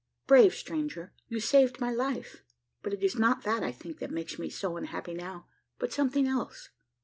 Brave stranger! you saved my life; but it is not that, I think, that makes me so unhappy now, but something else.